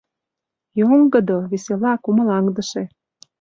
Йоҥгыдо, весела, кумылаҥдыше.